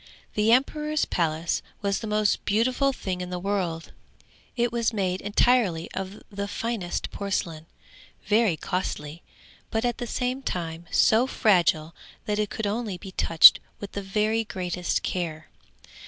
The emperor's palace was the most beautiful thing in the world; it was made entirely of the finest porcelain, very costly, but at the same time so fragile that it could only be touched with the very greatest care.